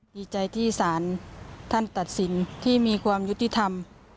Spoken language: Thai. ดีใจที่สารท่านตัดสินที่มีความยุติธรรม